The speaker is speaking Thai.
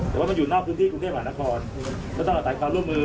แต่ว่ามันอยู่นอกพื้นที่กรุงเทพมหานครก็ต้องอาศัยความร่วมมือ